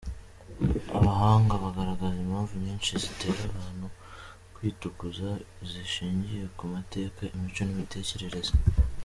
Abahanga bagaragaraza impamvu nyinshi zitera abantu kwitukuza zishingiye ku mateka, imico n’imitekerereze.